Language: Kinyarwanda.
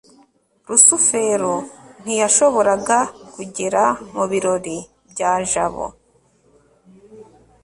rusufero ntiyashoboraga kugera mu birori bya jabo